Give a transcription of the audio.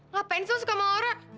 ngapain sih lo suka sama laura